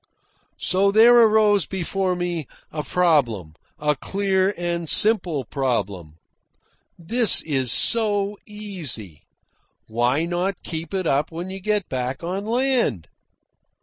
So there arose before me a problem, a clear and simple problem: THIS IS SO EASY, WHY NOT KEEP IT UP WHEN YOU GET BACK ON LAND?